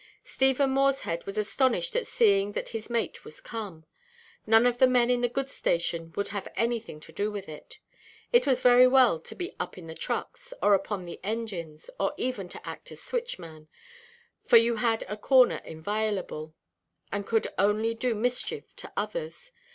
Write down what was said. Stephen Morshead was astonished at seeing that his mate was come. None of the men in the goods station would have anything to do with it. It was very well to be up in the trucks, or upon the engines, or even to act as switchman, for you had a corner inviolable, and could only do mischief to others.